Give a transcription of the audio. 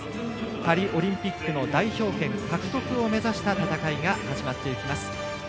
パリオリンピックの代表権獲得を目指した戦いが始まっていきます。